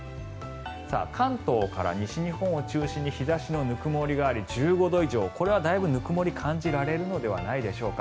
関東から西日本を中心に日差しのぬくもりがあり１５度以上これはだいぶぬくもりが感じられるのではないでしょうか。